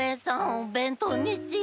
おべんとうにしよう。